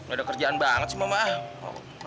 udah kerjaan banget sih mama